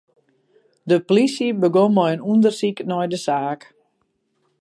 De polysje begûn mei in ûndersyk nei de saak.